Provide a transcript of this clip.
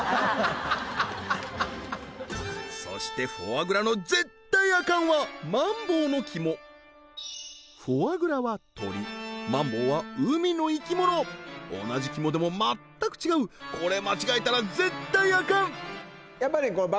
そしてフォアグラの絶対アカンはマンボウの肝フォアグラは鳥マンボウは海の生き物同じ肝でも全く違うこれ間違えたら絶対アカン